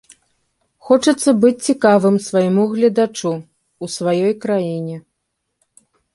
Хочацца быць цікавым свайму гледачу, у сваёй краіне.